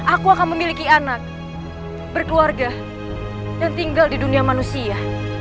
aku akan memiliki anak berkeluarga dan tinggal di dunia manusia